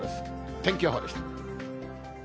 天気予報でした。